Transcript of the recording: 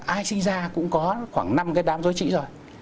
ai sinh ra cũng có khoảng năm cái đám dối trĩ rồi